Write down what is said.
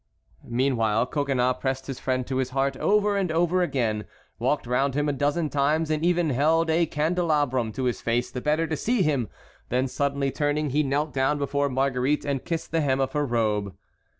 Meanwhile Coconnas pressed his friend to his heart over and over again, walked round him a dozen times, and even held a candelabrum to his face the better to see him; then suddenly turning, he knelt down before Marguerite and kissed the hem of her robe.